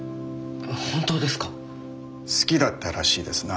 本当ですか⁉好きだったらしいですな